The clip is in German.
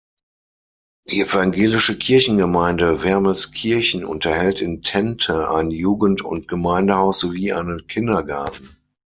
Die Evangelische Kirchengemeinde Wermelskirchen unterhält in Tente ein Jugend- und Gemeindehaus sowie einen Kindergarten.